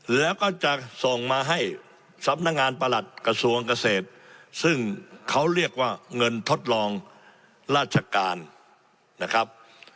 แล้วก็จะส่งมาให้สำนักงานประหลัดกระทรวงเกษตรซึ่งเขาเรียกว่าเงินทดลองราชการนะครับ